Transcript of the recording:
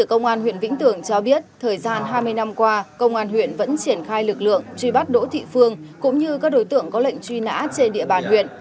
công an huyện vĩnh tường cho biết thời gian hai mươi năm qua công an huyện vẫn triển khai lực lượng truy bắt đỗ thị phương cũng như các đối tượng có lệnh truy nã trên địa bàn huyện